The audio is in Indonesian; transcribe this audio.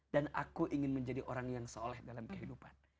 dan aku ingin menjadi orang yang soleh dalam kehidupan